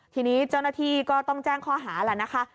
ทีนี้เจ้าหน้าที่ก็ต้องแจ้งข้อหาแล้วนะคะ